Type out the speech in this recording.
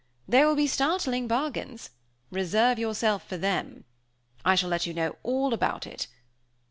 There will be startling bargains! Reserve yourself for them. I shall let you know all about it.